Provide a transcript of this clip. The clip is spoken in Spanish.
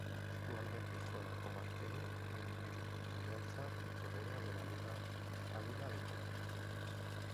Actualmente juega como arquero en el Alianza Petrolera de la Liga Águila de Colombia.